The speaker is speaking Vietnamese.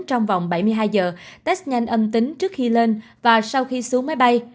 trong vòng bảy mươi hai giờ test nhanh âm tính trước khi lên và sau khi xuống máy bay